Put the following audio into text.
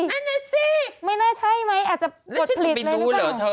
นั่นแน่สิไม่น่าใช่ไหมอาจจะปลดผลิตเลยแล้วฉันต้องไปดูเหรอเธอ